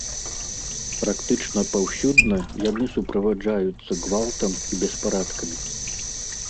Практычна паўсюдна яны суправаджаюцца гвалтам і беспарадкамі.